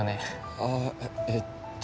ああえっと。